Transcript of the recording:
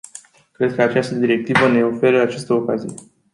Cred că această directivă ne oferă această ocazie.